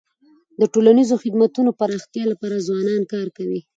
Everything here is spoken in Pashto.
د ټولنیزو خدمتونو د پراختیا لپاره ځوانان کار کوي.